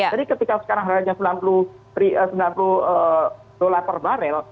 jadi ketika sekarang harganya sembilan puluh usd per barel